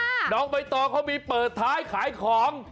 น้องใบตองเขามีเปิดท้ายขายของ